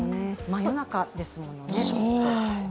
真夜中ですもんね。